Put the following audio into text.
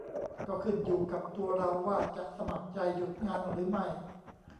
ก็ขึ้นอยู่กับตัวเราว่าจะสมัครใจหยุดงานหรือไม่